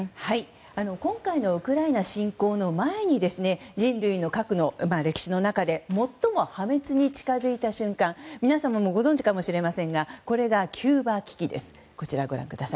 今回のウクライナ侵攻の前に人類の核の歴史の中で最も破滅に近づいた瞬間皆様もご存じかもしれませんがキューバ危機です。